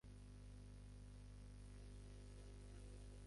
মনে প্ল্যান ছিল অত্যন্ত নিঃশব্দপদে ঘরে ঢুকবে– পাছে ভীরু হরিণী চকিত হয়ে পালায়।